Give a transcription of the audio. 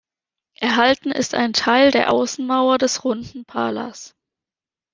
Erhalten ist ein Teil der Außenmauer des runden Palas.